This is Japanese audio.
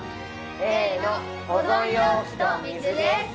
Ａの保存容器と水です。